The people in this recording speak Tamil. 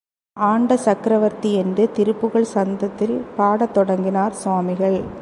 ஆண்ட சக்ரவர்த்தி என்று திருப்புகழ்ச் சந்தத்தில் பாடத் தொடங்கினார் சுவாமிகள்.